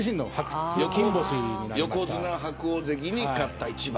横綱、白鵬関に勝った一番。